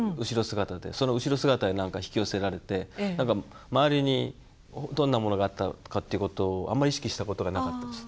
その後ろ姿になんか引き寄せられて周りにどんなものがあったかっていうことをあんまり意識したことがなかったですね。